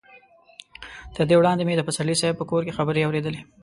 تر دې وړاندې مې د پسرلي صاحب پر کور خبرې اورېدلې.